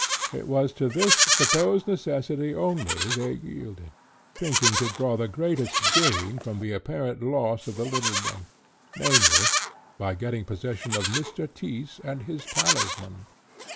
It was to this supposed necessity only they yielded, thinking to draw the greatest gain from the apparent loss of the little one, namely, by getting possession of Mr. Tyss and his talisman.